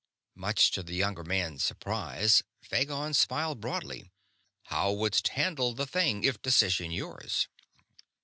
Much to the young man's surprise, Phagon smiled broadly. "How wouldst handle the thing, if decision yours?"